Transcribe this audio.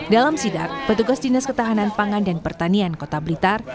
dalam sidak petugas dinas ketahanan pangan dan pertanian kota blitar